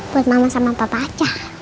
buat mama sama papa aja